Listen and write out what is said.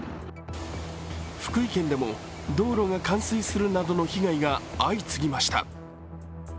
福井県でも道路が冠水するなどの被害が相次ぎました。